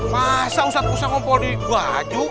masa ustadz pusat ngumpul di baju